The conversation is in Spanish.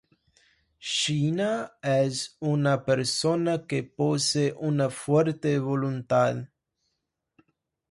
Sheena es una persona que posee una fuerte voluntad.